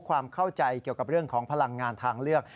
ความเข้าใจเกี่ยวกับเรื่องของพลังงานทางเลือก